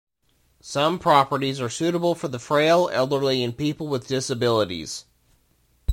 Some properties are suitable for the frail, elderly and people with disabilities.